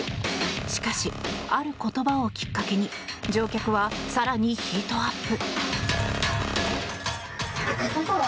しかし、ある言葉をきっかけに乗客は更にヒートアップ。